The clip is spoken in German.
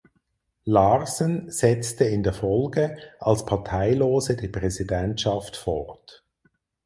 Larsen setzte in der Folge als Parteilose die Präsidentschaft fort.